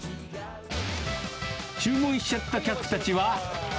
注文しちゃった客たちは。